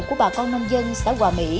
của bà con nông dân xã hòa mỹ